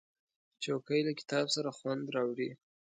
چوکۍ له کتاب سره خوند راوړي.